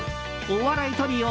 お笑いトリオ